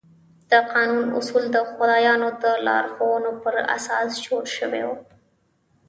د قانون اصول د خدایانو د لارښوونو پر اساس جوړ شوي وو.